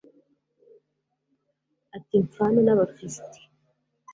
ati mpfane n'abafilisiti